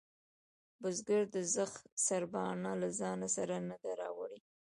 بزگر د زخ سرباڼه له ځانه سره نه ده راوړې.